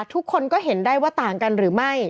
ทุกคนก็เห็นได้ว่าต่างกันหรือไม่